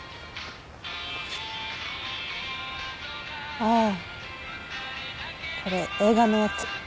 ああこれ映画のやつ。